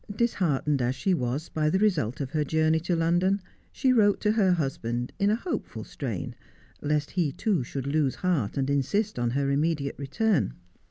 Disheartened as she was by the result of her journey to London, she wrote to her husband in a hopeful strain, lest he too should lose heart and insist on her immediate return.